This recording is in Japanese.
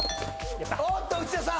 おっと内田さん！